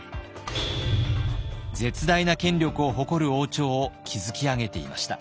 絶大な権力を誇る王朝を築き上げていました。